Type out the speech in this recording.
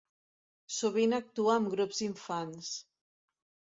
Sovint actua amb grups d'infants.